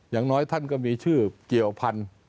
อย่างน้อยท่านก็มีชื่อเกี่ยวพันธุ์